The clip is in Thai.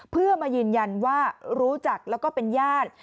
เพื่อมายืนยันว่ารู้จักแล้วก็เป็นญาติ